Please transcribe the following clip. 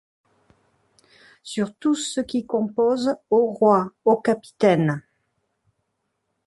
Sur tout ce qui compose, ô rois, ô capitaines